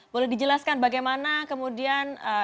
boleh dijelaskan bagaimana kemudian